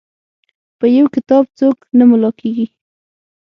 په یو کتاب څوک نه ملا کیږي.